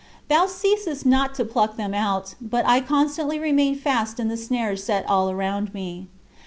Thou ceasest not to pluck them out, but I constantly remain fast in the snares set all around me.